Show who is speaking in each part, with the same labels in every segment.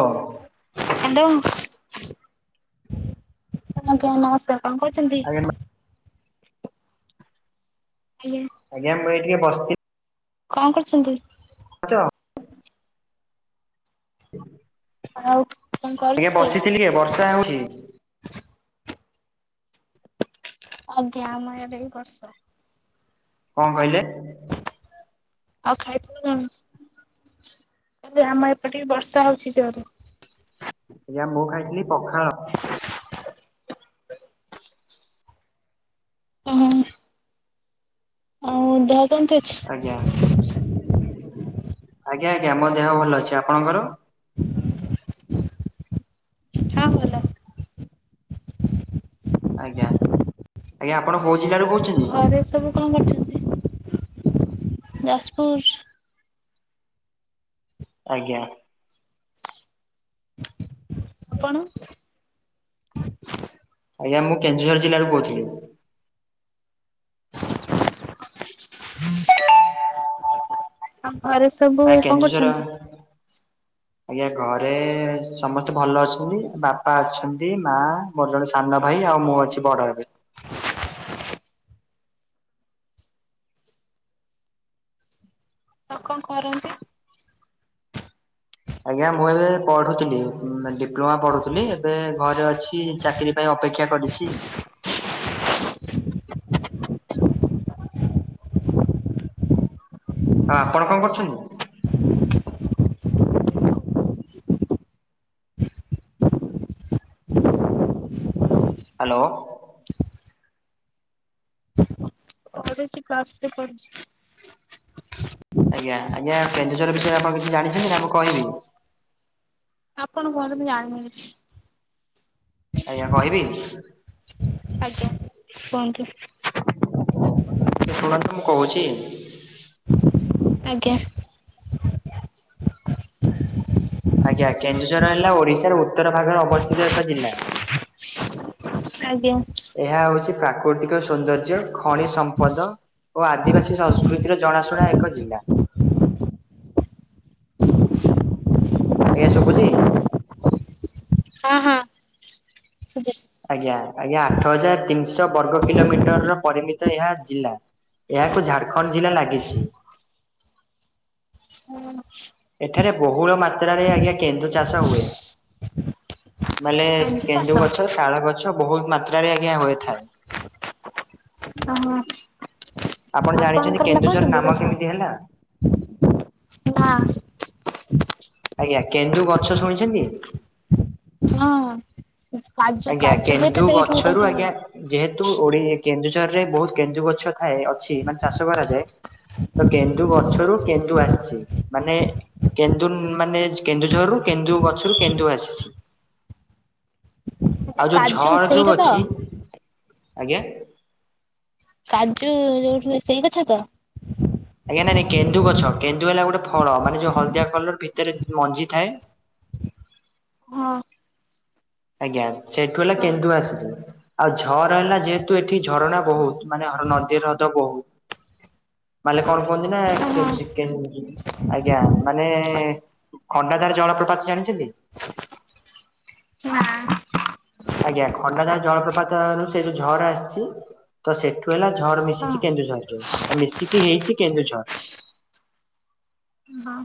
Speaker 1: ହଁ।
Speaker 2: ହାଲୋ। ହ ଆଜ୍ଞା ନମସ୍କାର କଅଁ କରୁଚନ୍ତି? ଆଜ୍ଞା।
Speaker 1: ଆଜ୍ଞା ମୁଁ ଏ ଟିକେ ବସିିଚି
Speaker 2: କଅଁ କରୁଚନ୍ତି?
Speaker 1: ଆଛା [unintelligible] ହୁଁ [unintelligible]
Speaker 2: ଆଉ [unintelligible]
Speaker 1: ଆଜ୍ଞା
Speaker 2: କରୁଥିଲେ?
Speaker 1: ବସିଥିଲି କି ବର୍ଷା ହଉଛି।
Speaker 2: ଆଜ୍ଞା ଆମର ଆଡେ ବି ବର୍ଷା।
Speaker 1: କଅଁ କହିଲେ।
Speaker 2: ଆଉ ଖାଇଥିଲି କଣ ହେଲେ ଆମ ଏପଟେ ବର୍ଷା ହଉଛି ଜୋରରେ
Speaker 1: ଆଜ୍ଞା ମୁଁ ଖାଇଥିଲି ପଖାଳ
Speaker 2: ହୁ ଦେହ କେମିତି ଅଛି?
Speaker 1: ଆଜ୍ଞା ଆଜ୍ଞା ଆଜ୍ଞା ମୋ ଦେହ ଭଲ ଅଛି ଆପଣଙ୍କର?
Speaker 2: ଠା ଭଲ
Speaker 1: ଆଜ୍ଞା ଆଜ୍ଞା ଆପଣ କୋଉ ଜିଲ୍ଲା ରୁ କହୁ
Speaker 2: ଘରେ ସବୁ କଣ କରୁଛନ୍ତି? ଯାଜପୁର
Speaker 1: ଆଜ୍ଞା
Speaker 2: ଆପଣ
Speaker 1: ଆଜ୍ଞା ମୁଁ କେନ୍ଦୁଝର ଜିଲ୍ଲାରୁ କହୁଥିଲି।
Speaker 2: ଆ ଘରେ ସବୁ
Speaker 1: ଆ
Speaker 2: କଣ
Speaker 1: କେନ୍ଦୁଝର
Speaker 2: କରୁଛନ୍ତି?
Speaker 1: ଆଜ୍ଞା ଘରେ ସମସ୍ତେ ଭଲ ଅଛନ୍ତି ବାପା ଅଛନ୍ତି ମା ମୋର ଜଣେ ସାନ ଭାଇ ଆଉ ମୁଁ ଅଛି ବଡ ଏବେ
Speaker 2: ଆଉ କଣ କରନ୍ତି?
Speaker 1: ଆଜ୍ଞା ମୁଁ ଏବେ ପଢୁଥିଲି ଡିପ୍ଲୋମା ପଢୁଥିଲି ଏବେ ଘରେ ଅଛି ଚାକିରି ପାଇଁ ଅପେକ୍ଷା କରିଛି। ଆ ଆପଣ କଣ କରୁଛନ୍ତି? ହ୍ୟାଲୋ
Speaker 2: ପଡୁଛି କ୍ଲାସେ [unintelligible] ପଢୁଛି
Speaker 1: ଆଜ୍ଞା ଆଜ୍ଞା କେନ୍ଦୁଝର ବିଷୟରେ ଆପଣ କିଛି ଜାଣିଛନ୍ତି ନା ମୁଁ କହିବି
Speaker 2: ଆପଣ କୁହନ୍ତୁ ମୁ ଜାଣିନି କିଛି
Speaker 1: ଆଜ୍ଞା କହିବି
Speaker 2: ଆଜ୍ଞା କୁହନ୍ତୁ।
Speaker 1: ଶୁଣନ୍ତୁ ମୁଁ କହୁଛି।
Speaker 2: ଆଜ୍ଞା
Speaker 1: ଆଜ୍ଞା କେନ୍ଦୁଝର ହେଲା ଓଡିଶାର ଉତ୍ତର ଭାଗରେ ଅବସ୍ଥିତ ଏକ ଜିଲ୍ଲା
Speaker 2: ଆଜ୍ଞା
Speaker 1: ଏହା ହଉଛି ପ୍ରାକୃତିକ ସୌନ୍ଦର୍ଯ୍ୟ ଖଣି ସମ୍ପଦ ଓ ଆଦିବାସୀ ସଂସ୍କୃତିର ଜଣାଶୁଣା ଏକ ଜିଲ୍ଲା ଆଜ୍ଞା ଶୁଭୁଛି।
Speaker 2: ହଁ ହଁ ଶୁଭୁଛି
Speaker 1: ଆଜ୍ଞା ଆଜ୍ଞା ଆଠ ହଜାର ତିନିଶହ ବର୍ଗ କିଲୋମିଟର ର ପରିମିତ ଏହା ଜିଲ୍ଲା ଏହାକୁ ଝାଡ଼ଖଣ୍ଡ ଜିଲ୍ଲା ଲାଗିଛି।
Speaker 2: ହୁଁ
Speaker 1: ଏଠାରେ ବହୁଳ ମାତ୍ରାରେ ଆଜ୍ଞା କେନ୍ଦୁ ଚାଷ ହୁଏ। ମାନେ
Speaker 2: ଏମିତି ଚାଷ
Speaker 1: କେଣ୍ଡୁ ଗଛ ଶାଳ ଗଛ ବହୁତ ମାତ୍ରାରେ ଆଜ୍ଞା ହୋଏ ଥାଏ।
Speaker 2: ଓହୋ
Speaker 1: ଆପଣ ଜାଣିଛନ୍ତି କେନ୍ଦୁଝର ନାମ କେମିତି ହେଲା?
Speaker 2: ନାଁ
Speaker 1: ଆଜ୍ଞା କେନ୍ଦୁ ଗଛ ଶୁଣିଛନ୍ତି।
Speaker 2: ହଁ କାଜୁ
Speaker 1: ଆଜ୍ଞା
Speaker 2: କାଜୁ ହୁଏ ତ
Speaker 1: କେନ୍ଦୁ
Speaker 2: ସେଇଠୁ
Speaker 1: ଗଛରୁ
Speaker 2: ତାକୁ
Speaker 1: ଆଜ୍ଞା ଯେହେତୁ ଓଡି କେନ୍ଦୁଝର ରେ ବହୁତ କେନ୍ଦୁ ଗଛ ଥାଏ ଅଛି ମାନେ ଚାଷ କରାଯାଏ। ତ କେନ୍ଦୁ ଗଛରୁ କେନ୍ଦୁ ଆସିଛି ମାନେ କେନ୍ଦୁ ମାନେ କେନ୍ଦୁଝରରୁ କେନ୍ଦୁ ଗଛରୁ କେନ୍ଦୁ ଆସିଛି। ଆଉ ଯୋଉ
Speaker 2: କାଜୁ
Speaker 1: ଝଅ
Speaker 2: ସେଇଟା
Speaker 1: ଯୋଉ
Speaker 2: ତ
Speaker 1: ଅଛି ଆଜ୍ଞା।
Speaker 2: କାଜୁ ଯୋଉଠୁ ହୁଏ ସେଇ ଗଛ ତ।
Speaker 1: ଆଜ୍ଞା ନାଇଁ ନାଇଁ କେନ୍ଦୁ ଗଛ କେନ୍ଦୁ ହେଲା ଗୋଟେ ଫଳ ମାନେ ଯୋଉ ହଳଦିଆ କଲର ଭିତରେ ମଞ୍ଜିଥାଏ।
Speaker 2: ହଁ।
Speaker 1: ଆଜ୍ଞା ସେଠୁ ହେଲା
Speaker 2: ଓହୋ
Speaker 1: କେନ୍ଦୁ ଆସିଚି। ଆଉ ଝର ହେଲା ଯେହେତୁ ଏଠି ଝରଣା ବହୁତ ମାନେ ନଦୀ ହ୍ରଦ ବହୁ ମାଲେ କଣ କୁହନ୍ତି ନା କେଞ୍ଜି କେ ଆଜ୍ଞା ମାନେ ଖଣ୍ଡାଧାର ଜଳପ୍ରପାତ ଜାଣିଚନ୍ତି?
Speaker 2: ନାଁ।
Speaker 1: ଆଜ୍ଞା ଖଣ୍ଡା ଧାର ଜଳପ୍ରପାତରୁ ସେ ଯୋଉ ଝର ଆସିଚି। ତ ସେଠୁ ହେଲା ଝର
Speaker 2: ହଁ
Speaker 1: ମିଶିଛି କେନ୍ଦୁଝରରେ ଆଉ ମିଶିକି ହେଇଛି କେନ୍ଦୁଝର।
Speaker 2: ହଁ।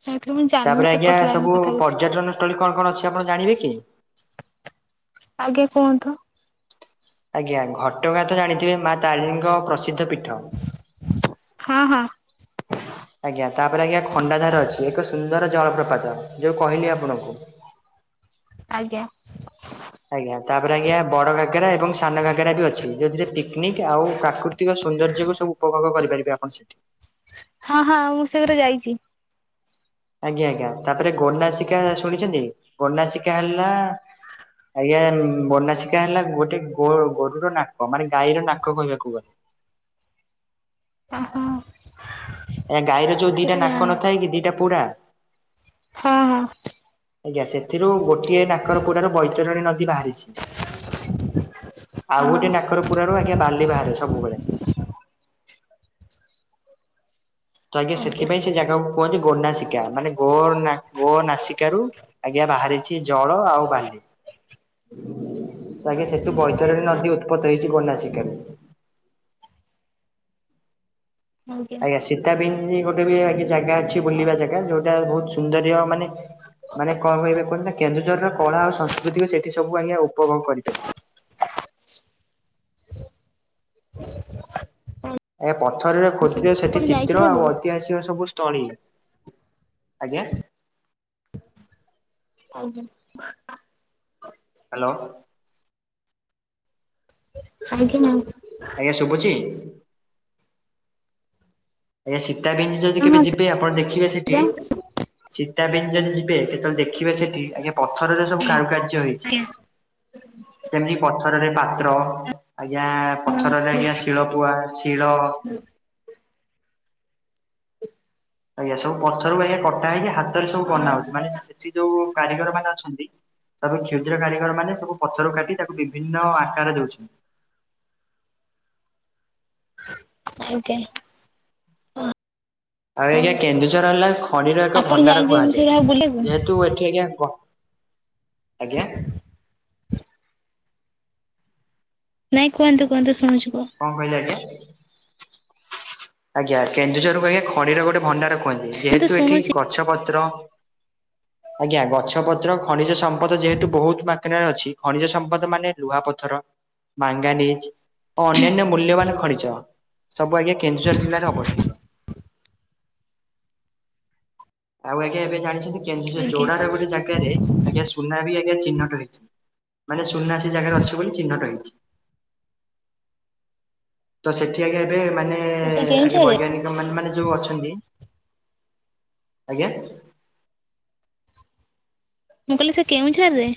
Speaker 2: [unintelligible]
Speaker 1: ତାପରେ ଆଜ୍ଞା
Speaker 2: ଲାଇନ
Speaker 1: ସବୁ
Speaker 2: କଥା କିଛି
Speaker 1: ପର୍ଯ୍ୟଟନ ସ୍ଥଳୀ କଣ କଣ ଅଛି ଆପଣ ଜାଣିବେ କି?
Speaker 2: ଆଜ୍ଞା କୁହନ୍ତୁ।
Speaker 1: ଆଜ୍ଞା ଘଟଗାଁ ତ ଜାଣିଥିବେ ମା ତାରିଣୀଙ୍କ ପ୍ରସିଦ୍ଧ ପୀଠ।
Speaker 2: ହଁ ହଁ।
Speaker 1: ଆଜ୍ଞା ତାପରେ ଆଜ୍ଞା ଖଣ୍ଡାଧାର ଅଛି ଏକ ସୁନ୍ଦର ଜଳପ୍ରପାତ ଯୋଉ କହିଲି ଆପଣଙ୍କୁ।
Speaker 2: ଆଜ୍ଞା।
Speaker 1: ଆଜ୍ଞା ତାପରେ ଆଜ୍ଞା ବଡ ଘାଗେରା ଏବଂ ସାନ ଘାଗେରା ବି ଅଛି ଯୋଉଥିରେ ପିକ୍ନିକ ଆଉ କାକୁ ତିକ ସୌନ୍ଦର୍ଯ୍ୟକୁୁ ସବୁ ଉପଭୋଗ କରିପାରିବେ ଆପଣ ସେଠି।
Speaker 2: ହଁ ହଁ ମୁଁ ସେ ଗୁରା ଯାଇଚି।
Speaker 1: ଆଜ୍ଞା ଆଜ୍ଞା ତାପରେ ଗୋନାଶିକା ଶୁଣିଛନ୍ତି ଗୋନାଶିକା ହେଲା ଆଜ୍ଞା ବନାସିକା ହେଲା ଗୋଟେ ଗୋ ଗୋରୁର ନାକ ମାନେ ଗାଈର ନାକ କହିବାକୁ ଗଲେ।
Speaker 2: ଅ ହ।
Speaker 1: ଏ ଗାଈର ଯୋଉ ଦିଟା ନାକ ନଥାଏ କି ଦିଟା ପୁଡା।
Speaker 2: ହଁ ହଁ।
Speaker 1: ଆଜ୍ଞା ସେଥିରୁ ଗୋଟିଏ ନାକର ପୁଡାରୁ ବୈତରଣୀ ନଦୀ ବାହାରିଛି।
Speaker 2: ହଁ
Speaker 1: ଆଉ
Speaker 2: ହଁ
Speaker 1: ଗୋଟିଏ ନାକର ପୁରା ରୁ ଆଜ୍ଞା ବାଲି ବାହାରେ ସବୁବେଳେ। ତ ଆଜ୍ଞା ସେଥିପାଇଁ ସେ ଜାଗାକୁ କୁହନ୍ତି ଗୋ ନାସିକା ମାନେ ଗୋ ଗୋ ନାସିକା ରୁ ଆଜ୍ଞା ବାହାରିଛି ଜଳ ଆଉ ବାଲି। ତାକେ ସେଠୁ ବୈତରଣୀ ନଦୀ ଉତ୍ପତ୍ତ ହେଇଛି ଗୋନାଶିକା ରୁ। ଆଜ୍ଞା ସୀତାବିଞ୍ ଗୋଟେ ବି ଆ ଜାଗା ଅଛି ବୁଲିବା ଜାଗା ଯୋଉଟା ବହୁତ ସୁନ୍ଦରୀୟ ମାନେ ମାନେ କଁ କହିବେ କୁହନ୍ତି ନା କେନ୍ଦୁଝର ର କଳା ଆଉ ସଂସ୍କୃତିକୁ ସେଠି ସବୁ ଆଜ୍ଞା ଉପଭୋଗ କରିପାରିବେ। ଏ ପଥରରେ ଖୋଦିତ ସେଠି
Speaker 2: ଆପଣ
Speaker 1: ଚିତ୍ର
Speaker 2: ଯାଇଛନ୍ତି
Speaker 1: ଆଉ
Speaker 2: ଆଗକୁ
Speaker 1: ଐତିହାସିକ ସବୁ ସ୍ଥଳୀ। ଆଜ୍ଞା।
Speaker 2: [unintelligible]
Speaker 1: ହ୍ୟାଲୋ।
Speaker 2: ଆଜ୍ଞା ମ୍ୟାମ୍।
Speaker 1: ଆଜ୍ଞା ଶୁଭୁଚି? ଆଜ୍ଞା ସୀତାବିଞ୍ଜ ଯଦି କେବେ
Speaker 2: ହଁ
Speaker 1: ଯିବେ ଆପଣ ଦେଖିବେ ସେଠି ସୀତାବିଞ୍ଜ ଯଦି ଯିବେ କେତେବେଳେ ଦେଖିବେ ସେଠି ଆଜ୍ଞା ପଥରରେ ସବୁ କାରୁକାର୍ଯ୍ୟ ହେଇଚି।
Speaker 2: ଆଜ୍ଞା
Speaker 1: ଯେମିତି ପଥରରେ ପାତ୍ର ଆଜ୍ଞା ପଥରରେ ଆଜ୍ଞା ଶିଳ ପୁଆ ଶିଳ ଆଜ୍ଞା ସବୁ ପଥରରୁ ଆଜ୍ଞା କଟା ହେଇକି ହାତରେ ସବୁ ବନା ହୋଉଛି ମାନେ ସେଠି ଯୋଉ କାରିଗର ମାନେ ଅଛନ୍ତି। ତାକୁ କ୍ଷୁଦ୍ର କାରିଗର ମାନେ ସବୁ ପଥରକୁ କାଟି ତାକୁ ବିଭିନ୍ନ ଆକାର ଦେଉଛନ୍ତି।
Speaker 2: ଆଜ୍ଞା ହଁ।
Speaker 1: ଆଉ ଆଜ୍ଞା କେନ୍ଦୁଝର୍ ହେଲା ଖଣିର ଏକ
Speaker 2: ଆପଣ
Speaker 1: ଭଣ୍ଡାର
Speaker 2: ଯାଇଛନ୍ତି ସେଇଟା ବୁଲିବାକୁ?
Speaker 1: କୁହାଯାଏ ଯେହେ ତୁ ଏଠି ଆଜ୍ଞା କ ଆଜ୍ଞା
Speaker 2: ନାଇଁ କୁହନ୍ତୁ କୁହନ୍ତୁ ଶୁଣୁଛି କୁହ?
Speaker 1: କଣ କହିଲ ଆଜ୍ଞା? ଆଜ୍ଞା କେନ୍ଦୁଝରକୁ ଆଜ୍ଞା ଖଣିର ଗୋଟେ ଭଣ୍ଡାର କୁହନ୍ତି
Speaker 2: ମୁଁ ତ
Speaker 1: ଯେହେତୁ ଏଠି
Speaker 2: ଶୁଣୁଛି।
Speaker 1: ଗଛ ପତ୍ର
Speaker 2: [inaudible]
Speaker 1: ଆଜ୍ଞା ଗଛ ପତ୍ର ଖଣିଜ ସମ୍ପଦ ଯେହେତୁ ବହୁତ୍ ମାତ୍ରା ରେ ଅଛି ଖଣିଜ ସମ୍ପଦ ମାନେ ଲୁହା ପଥର ମାଙ୍ଗାନିଜ୍ ଓ ଅନ୍ୟାନ୍ୟ ମୂଲ୍ୟବାନ ଖଣିଜ ସବୁ ଆଜ୍ଞା କେନ୍ଦୁ ଝର୍ ଜିଲ୍ଲା ରେ ଅବସ୍ଥିତ। ଆଉ ଆଜ୍ଞା ଏବେ ଜାଣିଛନ୍ତି କେନ୍ଦୁଝର
Speaker 2: ଆଜ୍ଞା
Speaker 1: ଯୋଡାର ଗୋଟେ ଜାଗାରେ ଆଜ୍ଞା ସୁନା ବି ଆଜ୍ଞା ଚିହ୍ନଟ ହେଇଛି? ମାନେ ସୁନା ସେ ଜାଗାରେ ଅଛି ବୋଲି ଚିହ୍ନଟ ହେଇଛି। ତ ସେଠି ଆଜ୍ଞା ଏବେ ମାନେ
Speaker 2: ତ ସେ
Speaker 1: ଆଗେ
Speaker 2: କେଉଁଝରରେ?
Speaker 1: ବୈଜ୍ଞାନିକ ମାନେ ମାନେ ଯୋଉ ଅଛନ୍ତି ଆଜ୍ଞା।
Speaker 2: ମୁଁ କହିଲି ସେ କେଉଝର ରେ?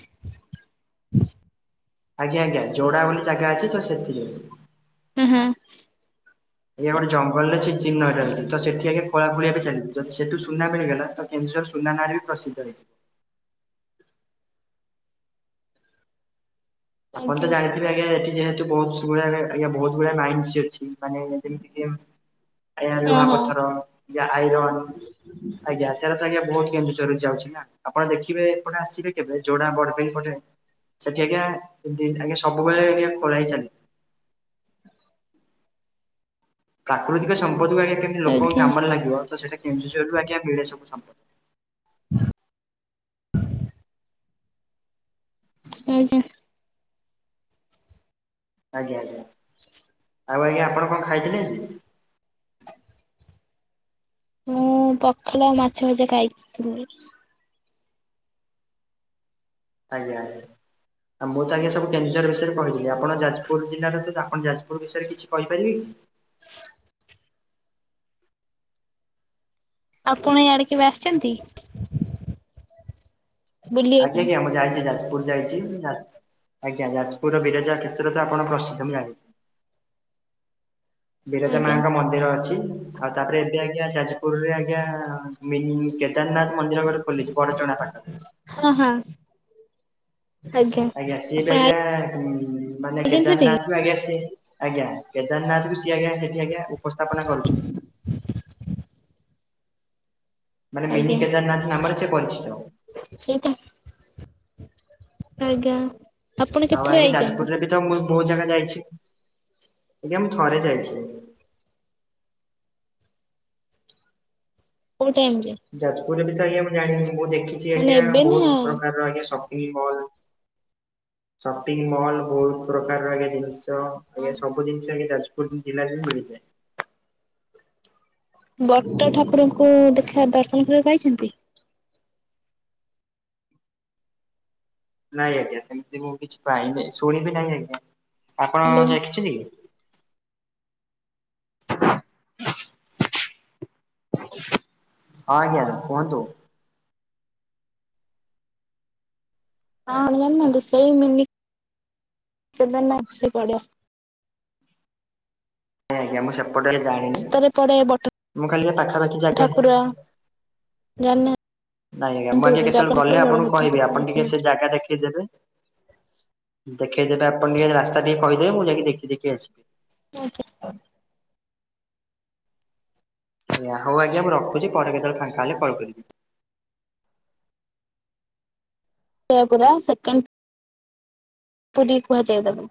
Speaker 1: ଆଜ୍ଞା ଆଜ୍ଞା ଯୋଡା ବୋଲି ଜାଗା ଅଛି ତ ସେଥି ରେ।
Speaker 2: ହୁଁ ହୁଁ।
Speaker 1: ଏଇ ଆମର ଜଙ୍ଗଲରେ ସେ ଚିହ୍ନଟ
Speaker 2: ଆଜ୍ଞା
Speaker 1: ହେଇଛି ତ ସେଠି ଆଜ୍ଞା ଖୋଳାଖୋଳି ଏବେ ଚାଲିଛି ଯଦି ସେଠୁ ସୁନା ମିଳିଗଲା ତ କେନ୍ଦୁଝର ସୁନା ନାରେ ବି ପ୍ରସିଦ୍ଧ ହେଇଯିବ। ଆପଣ
Speaker 2: ଆଜ୍ଞା
Speaker 1: ତ ଜାଣି ଥିବେ ଆଜ୍ଞା ଏଠି ଯେହେତୁ [inaudible] ବହୁତ ଗୁଡାଏ ମାଇନିଶି ଅଛି ମାନେ ଯେମିତିକି ଟିଡି ଏମ୍ ଆଜ୍ଞା
Speaker 2: ହଁ ହଁ
Speaker 1: ଲୁହାପଥର ଯାହା ଆଇରନ୍ ଆଜ୍ଞା ସେରା ତ ଆଜ୍ଞା ବହୁତ୍ କେନ୍ଦୁଝରରେ ଯାଉଛି ନା ଆପଣ ଦେଖିବେ ଏପେଟ ଆସିବେ କେବେ? ଯୋଡ଼ାବଡ଼ବିଲ୍ ପଟେ ସେଠି ଆଜ୍ଞା ଆଜ୍ଞା ସବୁବେଳେ କିଏ ଖୋଳା ହେଇକି ଚାଲେ। ପ୍ରାକୃତିକ ସମ୍ପଦ କୁ ଆଜ୍ଞା କେମିତି ଲୋକ
Speaker 2: ଆଜ୍ଞା
Speaker 1: କାମରେ ଲାଗିବ ତ ସେଟା କେନ୍ଦୁଝରରୁ ଆଜ୍ଞା ମିଳେ ସବୁ ସମ୍ପଦ।
Speaker 2: [inaudible] ଆଜ୍ଞା।
Speaker 1: ଆଜ୍ଞା ଆଉ ଆଜ୍ଞା ଆପଣ କଣ ଖାଇଥିଲେ ଆଜି?
Speaker 2: ମୁଁ ପଖାଳ ମାଛ ଭଜା ଖାଇଥିଲି।
Speaker 1: ଆଜ୍ଞା। ଆ ମୁଁ ତ ଆଜ୍ଞା ସବୁ କେନ୍ଦୁଝର ବିଷୟରେ କହିଦେଲି ଆପଣ ଯାଜପୁର୍ ଜିଲ୍ଲା ରତ ଆପଣ ଯାଜପୁର ବିଷୟରେ କିଛି କହିପାରିବେ କି?
Speaker 2: ଆପଣ ଇଆଡେ କେବେ ଆସିଛନ୍ତି? ବୁଲିବା
Speaker 1: ଆଜ୍ଞା
Speaker 2: ପାଇଁ?
Speaker 1: ଆଜ୍ଞା ମୁଁ ଯାଇଛି ଯାଜପୁର। ପୁର ଯାଇଛି ଯା ଆଜ୍ଞା ଯାଜପୁରର ବିରଜା କ୍ଷେତ୍ର ତ ଆପଣ ପ୍ରସିଦ୍ଧ ମୁଁ ଜାଣିଛି। ବିରଜା
Speaker 2: ଆଜ୍ଞା
Speaker 1: ମାଙ୍କ ମନ୍ଦିର ଅଛି ଆଉ ତାପରେ ଏବେ ଆଜ୍ଞା ଯାଜପୁରରେ ଆଜ୍ଞା ମିିନ୍ କେଦାରନାଥ ମନ୍ଦିର ଗୋଟେ ଖୋଲିଛି ବଡ଼ ଚଣା ପାଖ
Speaker 2: ହଁ ହଁ।
Speaker 1: ସି ଆଜ୍ଞା ସିଏ ବି
Speaker 2: ଆପଣ
Speaker 1: ଆଜ୍ଞା ମାନେ
Speaker 2: ଆଇଛନ୍ତି ସେଠିକି?
Speaker 1: କେଦାରନାଥ ଠୁ ଆଜ୍ଞା ସିଏ ଆଜ୍ଞା କେଦାରନାଥରୁ ସିଏ ଆଜ୍ଞା ସେଠି ଆଜ୍ଞା ଉପସ୍ଥାପନା କରୁଛି। ମାନେ ମିନି କେଦାରନାଥ ନାମରେ ସେ ପରିଚିତ?
Speaker 2: ସେଇତ ଆଜ୍ଞା। ଆପଣ
Speaker 1: ଆଉ
Speaker 2: କେତେଥର
Speaker 1: ଆଜ୍ଞା
Speaker 2: ଆଇଛନ୍ତି
Speaker 1: ଯାଜପୁରରେ ବି ତ ମୁଁ ବହୁତ୍ ଜାଗା ଯାଇଛି ଆଜ୍ଞା ମୁଁ ଥରେ ଯାଇଛି।
Speaker 2: କୋଉ ଟାଇମ୍ ରେ?
Speaker 1: ଯାଜପୁରରେ ବି ତ ଆଜ୍ଞା ମୁଁ ଜାଣିନି ମୁଁ ଦେଖଛି
Speaker 2: ମାନେ
Speaker 1: ଆଜ୍ଞା
Speaker 2: ଏବେ ନା
Speaker 1: ବହୁତ ପ୍ରକାର ଆଜ୍ଞା ସ ଦି ମଲ ସପିଂ ମଲ୍ ବହୁତ ପ୍ରକାର ଆଗେ ଜିନିଷ। ଆଜ୍ଞା ସବୁ ଜିନଷ ଯାଜପୁର ଜିଲ୍ଲାରେ ହିଁ ମିଳିଯାଏ।
Speaker 2: ବଟ ଠାକୁରଙ୍କୁ ଦେଖା ଦର୍ଶନ କରିବାକୁ ପାଇଛନ୍ତି।
Speaker 1: ନାଇଁ ଆଜ୍ଞା ସେମିତି ମୁଁ କିଛି ପାଇନି ଶୁଣିବି ନାଇଁ ଆଜ୍ଞା ଆପଣ
Speaker 2: ହ୍ୟାଲୋ
Speaker 1: କଁ
Speaker 2: ହଁ
Speaker 1: ଦେଖିଛନ୍ତି କି।
Speaker 2: [inaudible]
Speaker 1: ହଁ ଆଜ୍ଞା କୁହନ୍ତୁ।
Speaker 2: ହଁ [unintelligible]
Speaker 1: ଆଜ୍ଞା ଆଜ୍ଞା ମୁଁ ସେପଟେ ଆଜ୍ଞା ଜାଣିନି
Speaker 2: ରାସ୍ତାରେ ପଡେ ବଟ
Speaker 1: ମୁଁ ଖାଲି ଯାହା ପାଖାପାଖି ଜାଗା ଯା
Speaker 2: ଯାନା
Speaker 1: ନାଇଁ ଆଜ୍ଞା ମୁଁ ଆଜ୍ଞା କେତୋବୋଳେ ଗଲେ ଆପଣଙ୍କୁ
Speaker 2: ବଳଭଦ୍ର ଠାକୁର
Speaker 1: କହିବି ଆପଣ ଟିକେ ସେ ଜାଗା ଦେଖେଇଦେବେ। ଦେଖେଇ ଦେଲେ ଆପଣ ଟିକେ ରାସ୍ତା ଟିକେ କହିଦେବେ ମୁଁ ଯାଇକି ଦେଖି ଦେଇକି ଆସିବି।
Speaker 2: [unintelligible]
Speaker 1: ଆଜ୍ଞା ହୋଉ ଆଜ୍ଞା ମୁଁ ରଖୁଚି ପରେ କେତୋବୋଳେ ଫାଙ୍କା ହେଲେ କଲ୍ କରିବି।
Speaker 2: [unintelligible] ସେକେଣ୍ଡ ପୁରୀ କୁହାଯାଏ ତାକୁ।